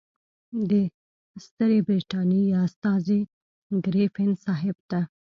د ستري برټانیې استازي ګریفین صاحب ته.